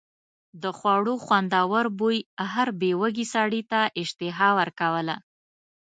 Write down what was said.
د خوړو خوندور بوی هر بې وږي سړي ته اشتها ورکوله.